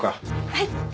はい！